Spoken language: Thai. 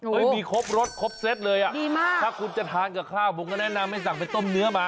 มีครบรสครบเซตเลยอ่ะดีมากถ้าคุณจะทานกับข้าวผมก็แนะนำให้สั่งไปต้มเนื้อมา